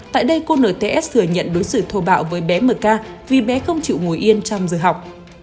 tại đây cô nts thừa nhận đối xử thô bạo với bé mk vì bé không chịu ngồi yên trong giờ học